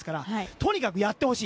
とにかくやってほしい。